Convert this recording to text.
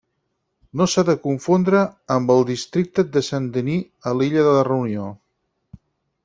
No s'ha de confondre amb el Districte de Saint-Denis de l'illa de la Reunió.